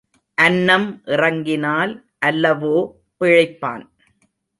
அன்னம் இறங்கினால் அல்லவோ பிழைப்பான்.